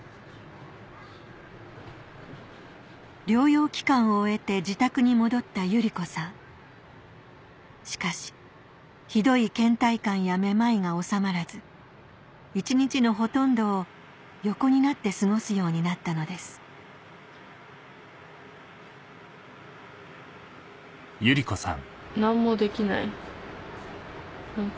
療養期間を終えて自宅に戻ったゆりこさんしかしひどい倦怠感やめまいが治まらず一日のほとんどを横になって過ごすようになったのです何か。